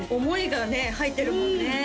思いがね入ってるもんね